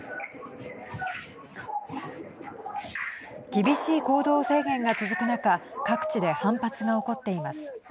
厳しい行動制限が続く中各地で反発が起こっています。